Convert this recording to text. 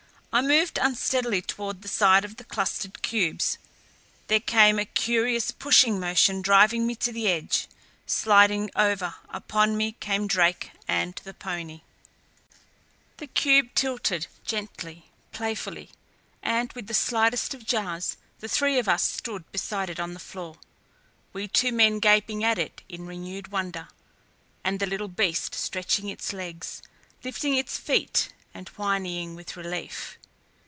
I moved unsteadily toward the side of the clustered cubes. There came a curious pushing motion driving me to the edge. Sliding over upon me came Drake and the pony The cube tilted, gently, playfully and with the slightest of jars the three of us stood beside it on the floor, we two men gaping at it in renewed wonder, and the little beast stretching its legs, lifting its feet and whinnying with relief.